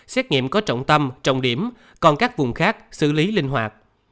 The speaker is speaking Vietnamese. xét nghiệm có trọng tâm trọng điểm còn các vùng khác xử lý linh hoạt